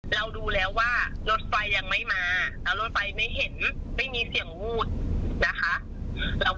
ถามเด็กแล้วถามลูกแล้วว่าได้ยินเสียงรถไหม